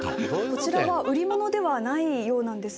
こちらは売り物ではないようなんですが。